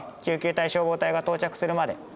救急隊消防隊が到着するまで。